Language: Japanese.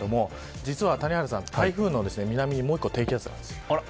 実は谷原さん、台風の南にもう１個、低気圧があります。